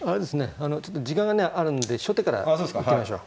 あのちょっと時間がねあるんで初手から行ってみましょう。